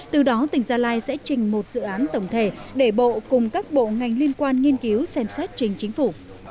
từ đó tỉnh gia lai sẽ trình một dự án tổng thể để bộ cùng các bộ ngành liên quan nghiên cứu xem xét trình chính phủ